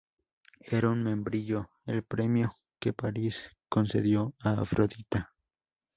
Era un membrillo el premio que Paris concedió a Afrodita.